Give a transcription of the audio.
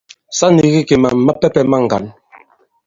Sa nīgī kì màm mapɛ̄pɛ̄ ma ŋgǎn.